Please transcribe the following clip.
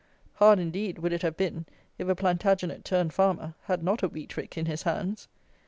Hard, indeed, would it have been if a Plantagenet, turned farmer, had not a wheat rick in his hands.